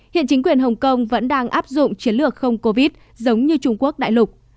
hiện chính quyền hồng kông vẫn đang áp dụng chiến lược không covid giống như trung quốc đại lục